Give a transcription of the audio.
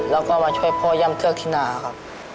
แล้วก็มาช่วยพ่อย่ำเชือกที่หนาครับ